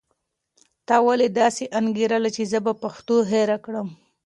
تا ولې داسې انګېرله چې زه به پښتو هېره کړم؟